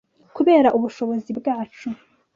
kubera ubushobozi bwacu